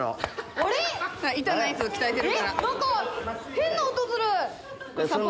変な音する。